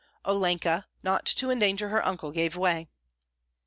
Olenka, not to endanger her uncle, gave way.